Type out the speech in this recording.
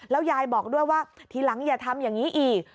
ยายบอกด้วยว่าทีหลังอย่าทำอย่างนี้อีก